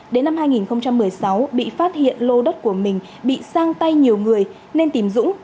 đến năm hai nghìn một mươi sáu bị phát hiện lô đất của mình bị sang tay nhiều người nên tìm dũng